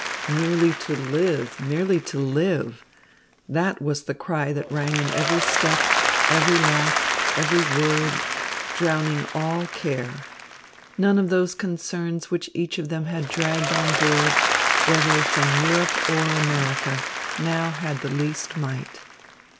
Merely to live, merely to live! That was the cry that rang in every step, every laugh, every word, drowning all care. None of those concerns which each of them had dragged on board, whether from Europe or America, now had the least might.